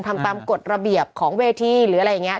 ทำตามกฎระเบียบของเวทีหรืออะไรอย่างนี้